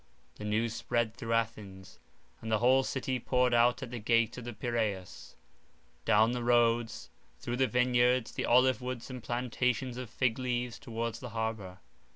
The news spread through Athens, and the whole city poured out at the gate of the Piraeus, down the roads, through the vineyards, the olive woods and plantations of fig trees, towards the harbour.